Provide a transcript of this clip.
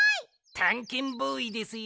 たんけんボーイですよ。